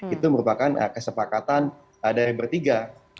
itu merupakan kesepakatan dari bertiga